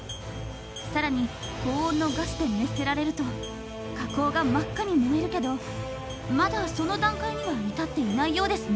更に高温のガスで熱せられると火口が真っ赤に燃えるけどまだその段階には至っていないようですね。